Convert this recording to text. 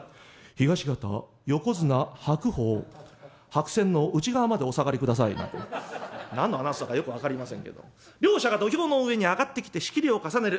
白線の内側までお下がりください」なんてね何のアナウンスだかよく分かりませんけど。両者が土俵の上に上がってきて仕切りを重ねる。